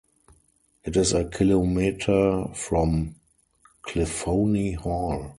It is a kilometer from Cliffoney Hall.